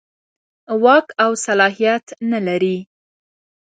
واک او صلاحیت نه لري.